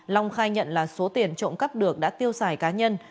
long khai nhận là số tiền trộm cắp được đã tiêu xài cá nhân